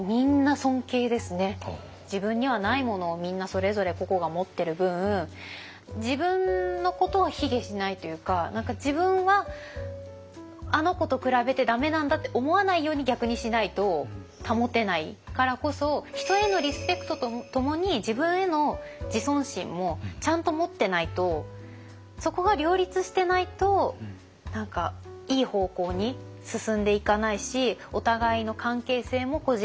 自分にはないものをみんなそれぞれ個々が持ってる分自分のことを卑下しないというか何か自分はあの子と比べて駄目なんだって思わないように逆にしないと保てないからこそ人へのリスペクトとともに自分への自尊心もちゃんと持ってないとそこが両立してないと何かいい方向に進んでいかないしお互いの関係性もこじれていっちゃう。